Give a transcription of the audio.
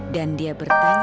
dan dia bertanya